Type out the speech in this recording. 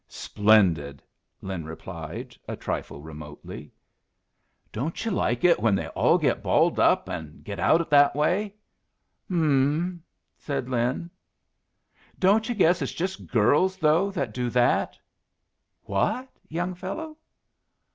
"Splendid," Lin replied, a trifle remotely. "Don't you like it when they all get balled up and get out that way?" "Humming," said Lin. "Don't you guess it's just girls, though, that do that?" "What, young fellow?"